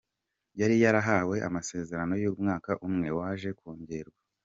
Yari yarahawe amasezerano y’umwaka umwe, waje kongerwa.